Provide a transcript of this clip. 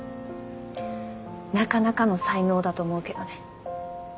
なかなかの才能だと思うけどね。